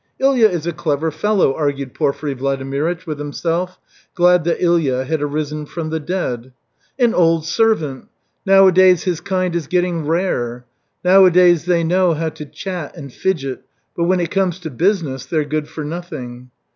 "Ilya is a clever fellow," argued Porfiry Vladimirych with himself, glad that Ilya had arisen from the dead. "An old servant! Nowadays his kind is getting rare. Nowadays they know how to chat and fidget, but when it comes to business, they're good for nothing."